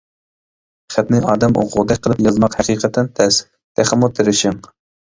خەتنى ئادەم ئوقۇغۇدەك قىلىپ يازماق ھەقىقەتەن تەس. تېخىمۇ تىرىشىڭ!